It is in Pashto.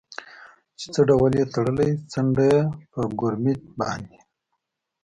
چې څه ډول یې تړلی، څنډه یې په ګورمېټ باندې.